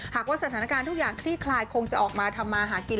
หากว่าสถานการณ์ทุกอย่างคลี่คลายคงจะออกมาทำมาหากิน